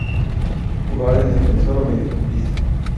Juega de Defensor o mediocampista.